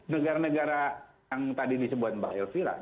negara negara yang tadi disebut mbak elvi raya